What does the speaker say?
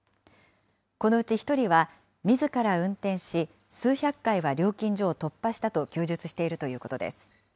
このうち１人はみずから運転し、数百回は料金所を突破したと供述しているということです。